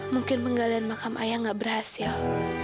mungkin penggalian makam ayah gak berhasil